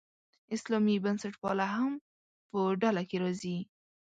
اسلامي بنسټپالنه هم په ډله کې راځي.